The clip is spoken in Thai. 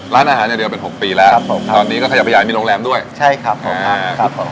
ร้านอาหารเนี่ยเดี๋ยวเป็น๖ปีแล้วครับครับตอนนี้ก็ขยับไปย้ายมีโรงแรมด้วยใช่ครับครับ